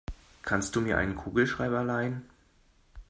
Kannst du mir einen Kugelschreiber leihen?